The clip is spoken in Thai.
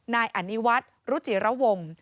นายอนิวัตรรุจิระวม